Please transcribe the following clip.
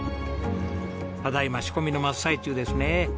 ただ今仕込みの真っ最中ですね。